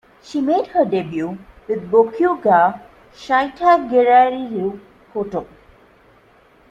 She made her debut with "Boku ga Shiteagerareru koto".